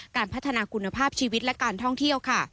การพัฒนาคุณภาพชีวิตและการท่องเที่ยวค่ะ